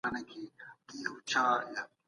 په لږو قناعت کول ډیر سخت دي.